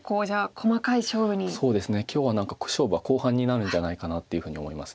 今日は勝負は後半になるんじゃないかなっていうふうに思います。